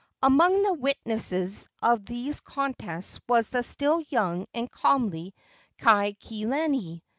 Among the witnesses of these contests was the still young and comely Kaikilani.